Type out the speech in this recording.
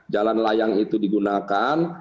jalan layang itu digunakan